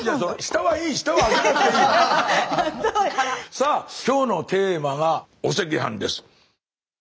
さあ今日のテーマが「お赤飯」です。